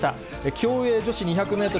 競泳女子２００メートル